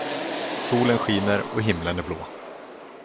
Solen skiner och himlen är blå.